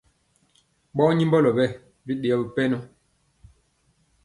Ɓɔɔ nyimbɔlɔ ɓee biɗeyɔ bipɛnɔ.